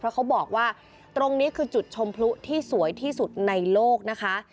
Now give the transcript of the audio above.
เพราะเขาบอกว่าตรงนี้คือจุดชมพลุที่สวยที่สุดในโลกนะคะ